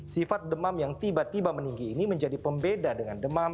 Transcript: sifat demam yang tiba tiba meninggi ini menjadi pembeda dengan demam